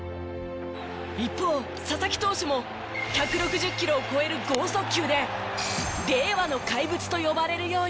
一方佐々木投手も１６０キロを超える豪速球で令和の怪物と呼ばれるように。